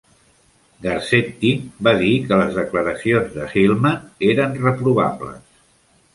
Garcetti va dir que les declaracions de Hillmann eren reprovables.